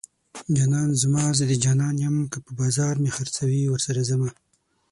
جانان زما زه د جانان یم که په بازار مې خرڅوي ورسره ځمه